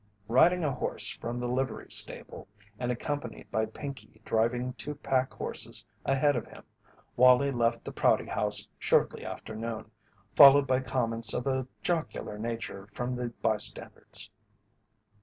Riding a horse from the livery stable and accompanied by Pinkey driving two pack horses ahead of him, Wallie left the Prouty House shortly after noon, followed by comments of a jocular nature from the bystanders.